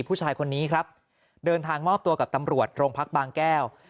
ผู้ชายคนนี้ครับเดินทางมอบตัวกับตำรวจโรงพักบางแก้ว